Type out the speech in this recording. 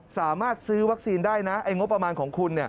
สามารถซื้อวัคซีนได้นะไอ้งบประมาณของคุณ